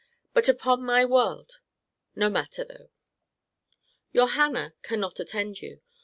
But upon my world no matter though Your Hannah cannot attend you.